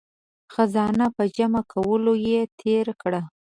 خزانو په جمع کولو یې تیر کړ.